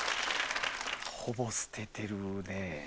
ほぼ捨ててるね。